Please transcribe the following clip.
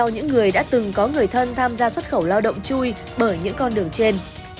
những người đã từng có người thân tham gia xuất khẩu lao động chui bởi những con đường trên